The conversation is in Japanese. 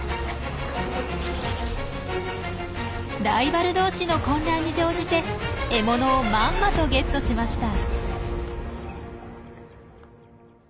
ライバル同士の混乱に乗じて獲物をまんまとゲットしました。